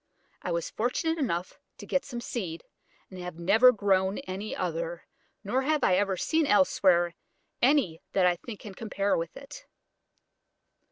I was fortunate enough to get some seed, and have never grown any other, nor have I ever seen elsewhere any that I think can compare with it.